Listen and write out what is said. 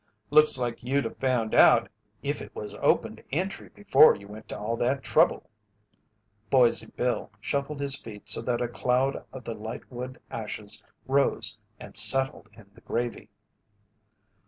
"Looks like you'd a found out if it was open to entry before you went to all that trouble." Boise Bill shuffled his feet so that a cloud of the light wood ashes rose and settled in the gravy.